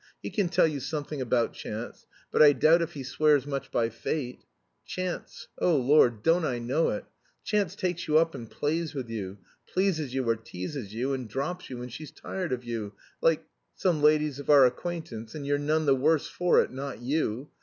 He can tell you something about, chance, but I doubt if he swears much by fate. Chance oh Lord, don't I know it! chance takes you up and plays with you, pleases you or teases you, and drops you when she's tired of you. Like some ladies of our acquaintance, and you're none the worse for it, not you!